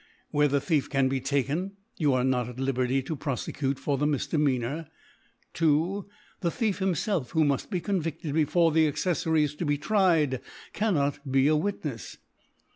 Where the Thief can be taken, you are not at Liberty to prpfecutc for the Mif demeanour. 2. The Thief himfelf, who muft be con vifted before the Acceflkry is to be tried, can not be a Witncfs.